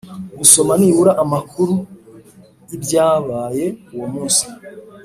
ngasoma nibura amakuru y’ibyabaye uwo munsi.